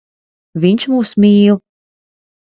Viņš mūs mīl.